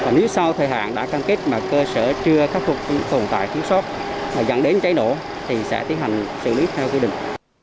nếu sau thời hạn đã cam kết mà cơ sở chưa khắc phục tồn tại thiếu sót dẫn đến cháy nổ thì sẽ tiến hành xử lý theo quy định